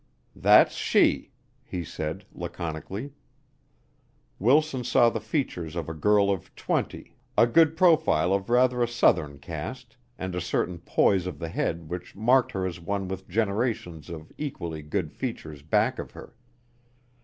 "That's she," he said laconically. Wilson saw the features of a girl of twenty, a good profile of rather a Southern cast, and a certain poise of the head which marked her as one with generations of equally good features back of her.